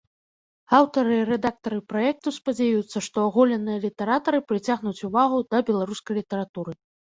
Аўтары і рэдактары праекту спадзяюцца, што аголеныя літаратары прыцягнуць увагу да беларускай літаратуры.